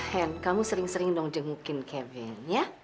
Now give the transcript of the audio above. hen kamu sering sering dong jengukin kevin ya